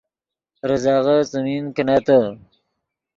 ریزغے څیمین کینتّے